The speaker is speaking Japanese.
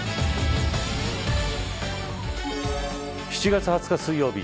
７月２０日水曜日